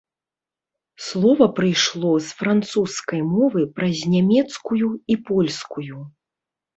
Слова прыйшло з французскай мовы праз нямецкую і польскую.